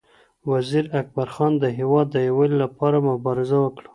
وزیر اکبر خان د هېواد د یووالي لپاره مبارزه وکړه.